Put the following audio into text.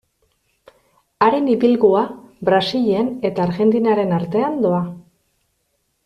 Haren ibilgua Brasilen eta Argentinaren artean doa.